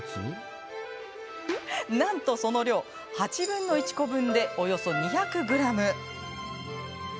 なんと、その量８分の１個分でおよそ２００ｇ。